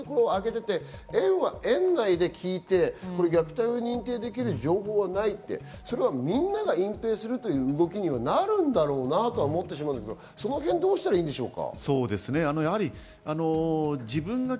園は園内で聞いて虐待を認定できる情報はないって、みんなが隠蔽するという動きにはなるんだろうなとは思ってしまうんですけど、どうしたらいいんでしょうか。